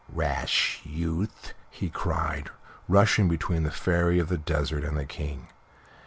"Rash youth!" he cried, rushing between the Fairy of the Desert and the King.